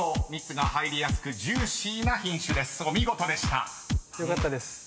［お見事でした］よかったです。